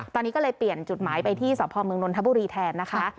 ตอนนี้ก็เลยเปลี่ยนจุดหมายไปที่สพเมืองนนทบุรีแทนนะคะ